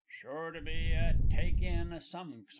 Sure to be a take in o' some sort.